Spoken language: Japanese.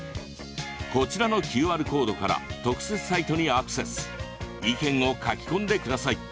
こちらのＱＲコードから特設サイトにアクセス意見を書き込んでください！